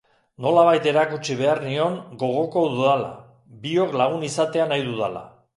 Nolabait erakutsi behar nion gogoko dudala, biok lagun izatea nahi dudala.